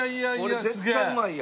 これ絶対うまいやん。